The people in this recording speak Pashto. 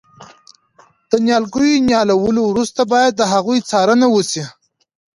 د نیالګیو نیالولو وروسته باید د هغوی څارنه وشي.